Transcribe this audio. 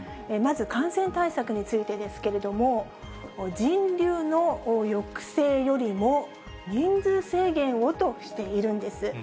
まず、感染対策についてですけれども、人流の抑制よりも人数制限をとしているんです。